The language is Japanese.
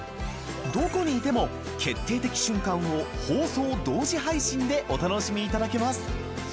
どこにいても決定的瞬間を放送同時配信でお楽しみいただけます。